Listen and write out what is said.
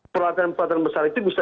peralatan peralatan besar itu bisa